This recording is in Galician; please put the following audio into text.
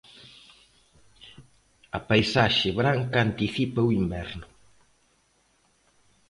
A paisaxe branca anticipa o inverno.